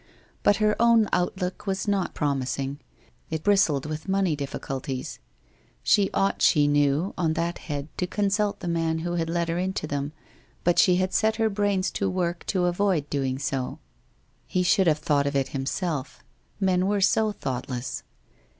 But her own outlook was not promising. It bristled with money difficulties. She ought, she knew, on that head to consult the man who had led her into them, but she had set her brains to work to avoid doing so. He should have thought of it himself. Men were so thoughtless!